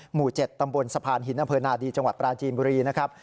หมู่๗ตำบลสะพานหินอำเภอนาดีจังหวัดปราจีนบุรีนะครับ